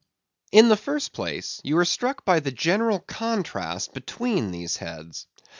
In the first place, you are struck by the general contrast between these heads.